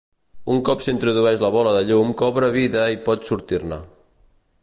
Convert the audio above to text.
Un cop s'introdueix la bola de llum cobra vida i pot sortir-ne.